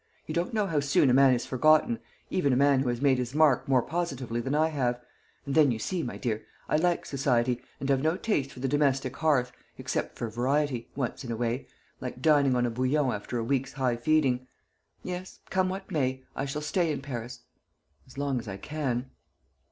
You don't know how soon a man is forgotten even a man who has made his mark more positively than I have; and then you see, my dear, I like society, and have no taste for the domestic hearth, except for variety, once in a way, like dining on a bouillon after a week's high feeding. Yes, come what may, I shall stay in Paris as long as I can."